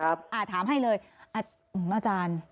อันนี้ที่จะถามอาจารย์ปรแมทใช่ไหมคะ